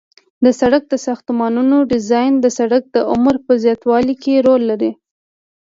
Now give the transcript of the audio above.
د سرک د ساختمانونو ډیزاین د سرک د عمر په زیاتوالي کې رول لري